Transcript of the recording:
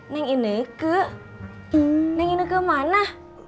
neng indeke neng indeke mana